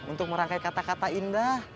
untuk merangkai kata kata indah